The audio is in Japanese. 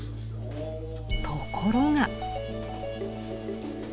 ところが。